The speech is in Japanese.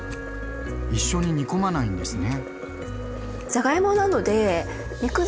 一緒に煮込まないんですね。